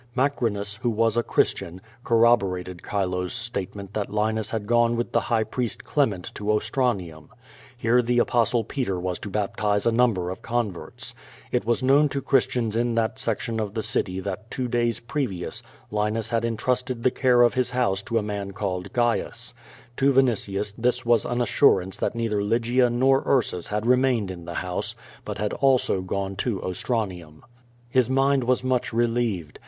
Macrinus, who was a Christian, corrobo rated Chilo's statement that Linus had gone with the High Priest Clement to Ostranium. Here the Apostle Peter was to baptize a number of converts. It was known to Christians in that section of the city that two days previous Linus had entrusted the care of his house to a man called Gains. To Vinitius this was an assurance that neither Lygia nor IJrsus had remained in the house, but had also gone to Ostranium. His mind was much relieved.